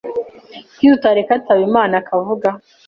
Kuki tutareka tsabimana akavuga.